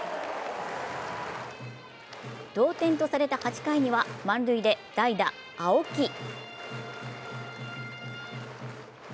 同点とされた８回には満塁で代打・青木。